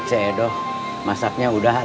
satu hari kemudian